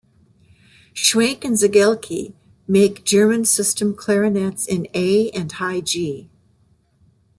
Schwenk and Seggelke make German system clarinets in A and high G.